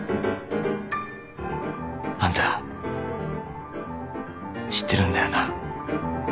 あんた知ってるんだよな？